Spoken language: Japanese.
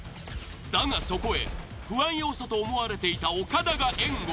だがそこへ不安要素と思われていたオカダが援護。